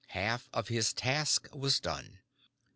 Half of his task was done.